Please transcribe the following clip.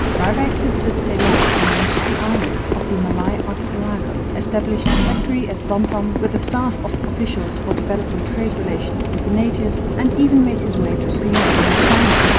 Waerwyck visited Ceylon and most of the islands of the Malay Archipelago, established a factory at Bantam with a staff of officials for developing trade relations with the natives, and even made his way to Siam and China.